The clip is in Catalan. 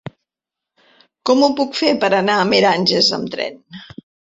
Com ho puc fer per anar a Meranges amb tren?